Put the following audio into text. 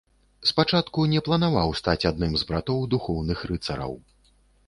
Спачатку не планаваў стаць адным з братоў духоўных рыцараў.